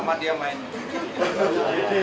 sama dia main judi